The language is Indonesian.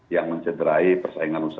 yang mencederai persaingan usaha